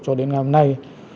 cho đến ngày hôm nay